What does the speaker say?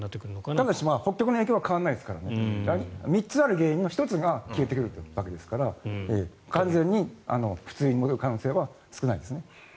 ただし、北極の影響は変わりませんから３つある原因の１つが消えてくるわけですから完全に普通に戻る可能性は少ないですね。